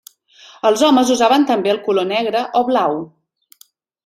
Els homes usaven també el color negre o blau.